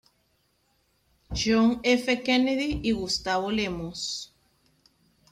John F. Kennedy y Gustavo Lemos.